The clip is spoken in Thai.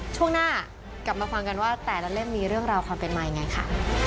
ช่วงหน้ากลับมาฟังกันว่าแต่ละเล่มมีเรื่องราวความเป็นมายังไงค่ะ